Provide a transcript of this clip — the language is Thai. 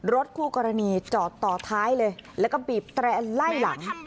รถคู่กรณีจอดต่อท้ายเลยแล้วก็บีบแตรนไล่หลัง